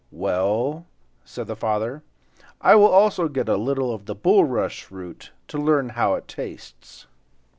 "Well," said the father, "I will also get a little of the bulrush root, to learn how it tastes."